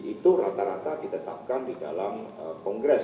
itu rata rata ditetapkan di dalam kongres